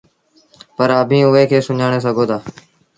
پر اڀيٚنٚ اُئي کي سُڃآڻي سگھو دآ